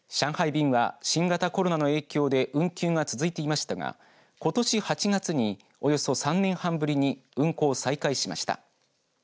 便は新型コロナの影響で運休が続いていましたがことし８月におよそ３年半ぶりに運航を再開しました。